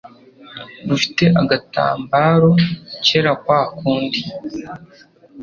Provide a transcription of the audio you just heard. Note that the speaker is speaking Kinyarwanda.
bufite agatambaro kera kwa kundi,